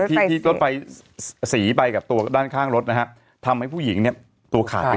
ที่ที่รถไฟสีไปกับตัวด้านข้างรถนะฮะทำให้ผู้หญิงเนี่ยตัวขาดไป